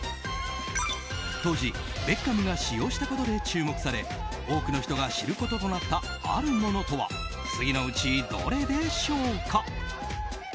当時、ベッカムが使用したことで注目され多くの人が知ることとなったあるものとは次のうちどれでしょうか？